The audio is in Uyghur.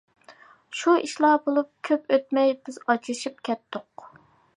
شۇ ئىشلار بولۇپ كۆپ ئۆتمەي بىز ئاجرىشىپ كەتتۇق.